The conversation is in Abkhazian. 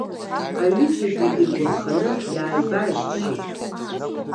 Аҩыџьагьы иргәарԥханы иааибарччеит.